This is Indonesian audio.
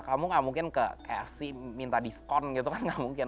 kamu gak mungkin ke kreasi minta diskon gitu kan nggak mungkin